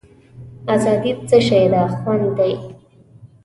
آزادي څه شی ده خوند دی.